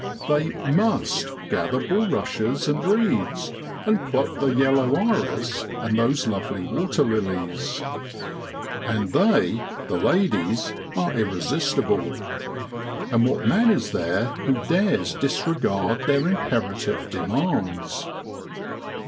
They must gather bulrushes and reeds, and pluck the yellow iris and those lovely waterlilies ! And they the ladies are irresistible. And what man is there who dares disregard their imperative demands